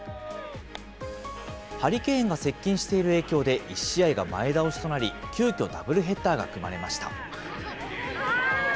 ハリケーンが接近している影響で、１試合が前倒しとなり、急きょ、ダブルヘッダーが組まれました。